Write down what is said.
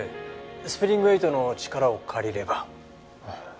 スプリング８の力を借りれば。